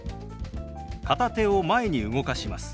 片手を前に動かします。